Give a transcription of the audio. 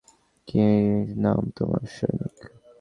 কী নাম তোমার, সৈনিক?